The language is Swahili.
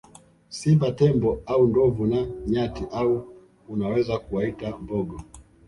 Simba Tembo au ndovu na nyati au unaweza kuwaita mbogo